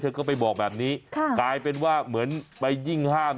ก็ไปบอกแบบนี้กลายเป็นว่าเหมือนไปยิ่งห้าม